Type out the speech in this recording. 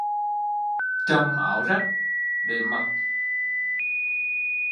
Chằm áo rách để mặc